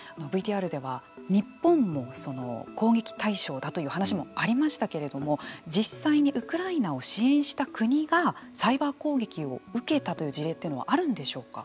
ＶＴＲでは、日本も攻撃対象だという話もありましたけれども実際にウクライナを支援した国がサイバー攻撃を受けたという事例というのはあるんでしょうか。